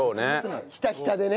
ひたひたでね。